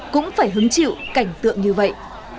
cũng phải hứng chịu cảnh tượng như vậy